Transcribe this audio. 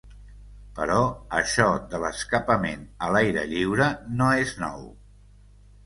Però això de l’escapament a l’aire lliure no és nou.